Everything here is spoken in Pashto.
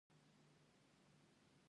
تیاتر مینه وال لري که نه؟